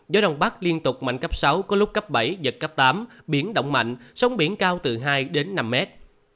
gió đông bắc liên tục mạnh cấp sáu có lúc cấp bảy giật cấp tám biển động mạnh sóng biển cao từ hai đến năm mét